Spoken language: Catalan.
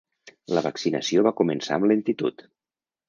La vaccinació va començar amb lentitud.